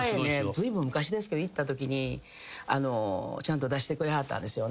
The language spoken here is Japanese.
ずいぶん昔ですけど行ったときにちゃんと出してくれはったんですよね。